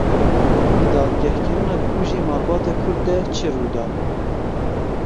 Di dadgehkirina bikujê malbata Kurd de çi rû da?